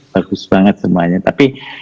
bagus banget semuanya tapi